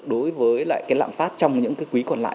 đối với lại cái lạm phát trong những cái quý còn lại